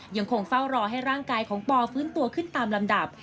ยังคงเฝ้ารอให้ร่างกายของปอฟื้นตัวขึ้นตามลำดับ